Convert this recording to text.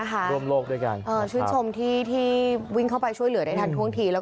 กรวมโลกด้วยกันชื่นชมวิ่งเข้าไปช่วยเผลอทางต้งที